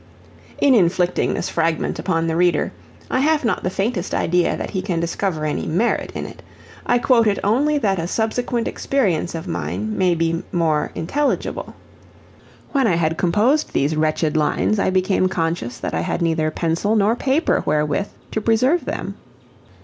In inflicting this fragment upon the reader, I have not the faintest idea that he can discover any merit in it; I quote it only that a subsequent experience of mine may be more intelligible. When I had composed these wretched lines I became conscious that I had neither pencil nor paper wherewith to preserve them.